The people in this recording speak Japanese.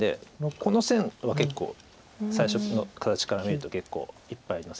この線は結構最初の形から見ると結構いっぱいの線。